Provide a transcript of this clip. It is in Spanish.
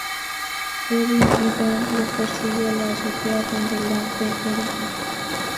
Robin y Dan los persiguen a la azotea, donde la Dra.